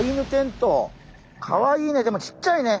かわいいねでもちっちゃいね。